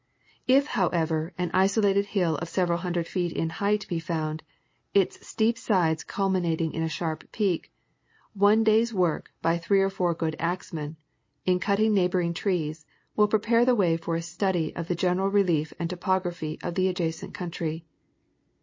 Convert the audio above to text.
If however an isolated hill of several hundred feet in height be found, its steep sides culminating in a sharp peak, one day's work by three or four good axmen, in cutting neighboring trees, will prepare the way for a study of the general relief and topog raphy of the adjacent country.